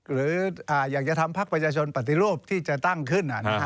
หรืออยากจะทำพักประชาชนปฏิรูปที่จะตั้งขึ้น